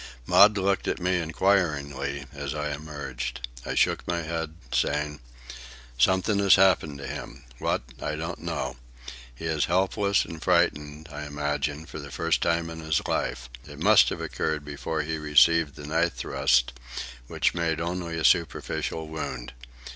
Maud looked at me inquiringly as I emerged. I shook my head, saying: "Something has happened to him. What, I don't know. He is helpless, and frightened, I imagine, for the first time in his life. It must have occurred before he received the knife thrust, which made only a superficial wound.